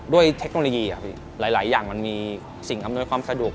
เทคโนโลยีหลายอย่างมันมีสิ่งอำนวยความสะดวก